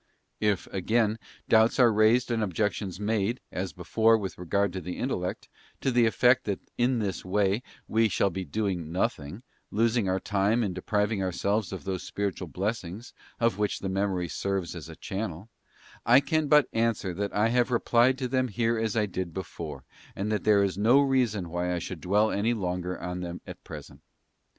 If, again, doubts are raised and objections made, as before with regard to the Intellect, to the effect that in this way we shall be doing nothing, losing our time and depriving our selves of those spiritual blessings, of which the Memory serves as a channel; I can but answer that I have replied to them here as I did before, and that there is no reason why I should dwell longer upon them at present.